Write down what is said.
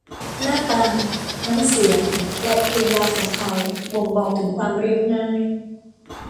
หน้าตา น้ำเสียง และกริยาของเขา บ่งบอกถึงความเรียบง่าย